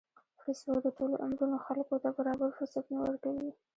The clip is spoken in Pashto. فېسبوک د ټولو عمرونو خلکو ته برابر فرصتونه ورکوي